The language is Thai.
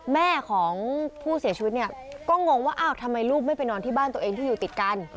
แม่ของผู้เสียชีวิตเนี่ยก็งงว่าอ้าวทำไมลูกไม่ไปนอนที่บ้านตัวเองที่อยู่ติดกัน